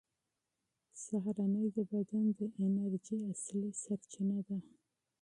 سحور د بدن د انرژۍ اصلي سرچینه ده.